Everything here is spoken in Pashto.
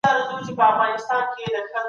شخصي ګټې باید له ملي ګټو قرباني سي.